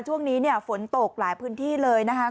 ช่วงนี้เนี่ยฝนตกหลายพื้นที่เลยนะคะ